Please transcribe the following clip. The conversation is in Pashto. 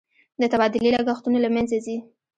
د تبادلې لګښتونه له منځه ځي.